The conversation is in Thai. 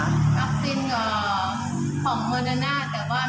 วัครรศีลของมนาตแต่ว่า